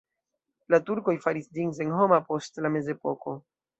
La turkoj faris ĝin senhoma post la mezepoko.